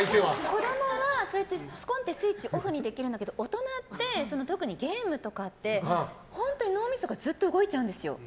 子供はそうやって、すこんってスイッチをオフにできるんだけど大人って、特にゲームとかって本当に脳みそがずっと動いちゃうんですよ。